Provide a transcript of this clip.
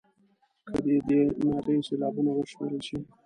که د دې نارې سېلابونه وشمېرل شي.